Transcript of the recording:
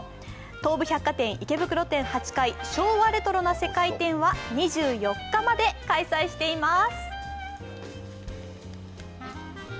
東武百貨店池袋店８階、昭和レトロな世界展は２４日まで開催しています。